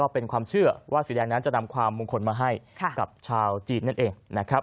เป็นความเชื่อว่าสีแดงนั้นจะนำความมงคลมาให้กับชาวจีนนั่นเองนะครับ